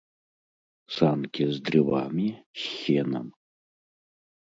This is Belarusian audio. Санкі з дрывамі, з сенам.